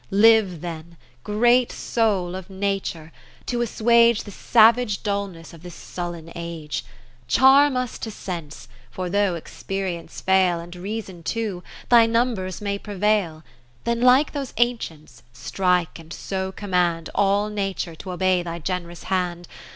30 Live then, Great Soul of Nature, to assuage The savage dullness of this sullen Age. Charm us to Sense ; for though ex perience fail, And Reason too, thy numbers may prevail Then, like those ancients, strike, and so command All Nature to obey thy gen'rous hand.